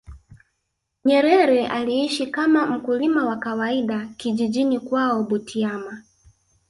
nyerere aliishi kama mkulima wa kawaida kijijini kwao butiama